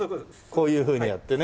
こういうふうにやってね。